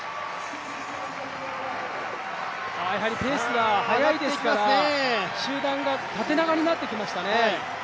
やはりペースが速いですから集団が縦長になってきましたね。